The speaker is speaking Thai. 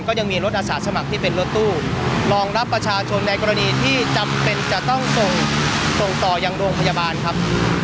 ก็ยังมีรถอาสาสมัครที่เป็นรถตู้รองรับประชาชนในกรณีที่จำเป็นจะต้องส่งส่งต่อยังโรงพยาบาลครับ